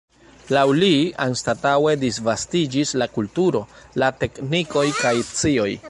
Laŭ li, anstataŭe disvastiĝis la kulturo, la teknikoj kaj scioj.